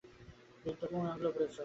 Ring টা কোন আঙ্গুলে পরেছ?